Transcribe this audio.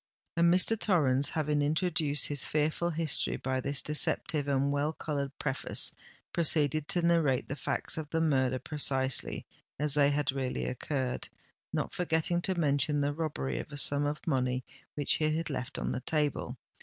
And Mr. Torrens, having introduced his fearful history by this deceptive and well coloured preface, proceeded to narrate the facts of the murder precisely as they had really occurred,—not forgetting to mention the robbery of a sum of money which he had left on the table.